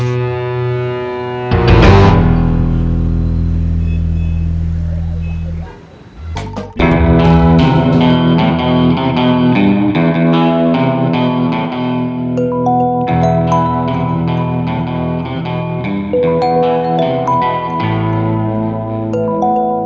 siapa anak buah saya yang jadi alatnya si jamal